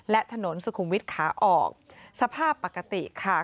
และถนนสุขุมวิทย์ขาออกสภาพปกติค่ะ